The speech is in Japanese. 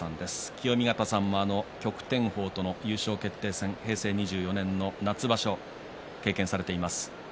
清見潟さんも旭天鵬との優勝決定戦を平成２４年夏場所経験されています。